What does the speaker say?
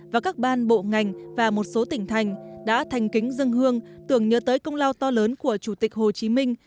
và các ban bộ ngành và một số tỉnh thành đã thành kính dân hương tưởng nhớ tới công lao to lớn của chủ tịch hồ chí minh